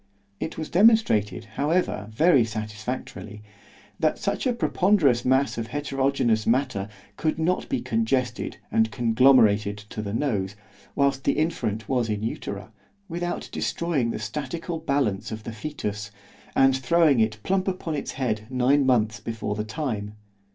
It was demonstrated however very satisfactorily, that such a ponderous mass of heterogenous matter could not be congested and conglomerated to the nose, whilst the infant was in Utera, without destroying the statical balance of the fœtus, and throwing it plump upon its head nine months before the time.